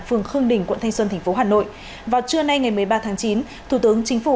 phường khương đình quận thanh xuân tp hà nội vào trưa nay ngày một mươi ba tháng chín thủ tướng chính phủ